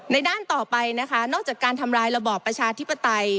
ด้านต่อไปนะคะนอกจากการทำลายระบอบประชาธิปไตย